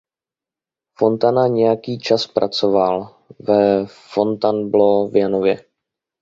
Fontana nějaký čas pracoval ve Fontainebleau a v Janově.